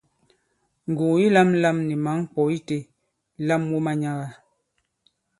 Ngùgù yi lāmlām ni mǎŋ ŋkwɔ̌ itē, lam wu manyaga!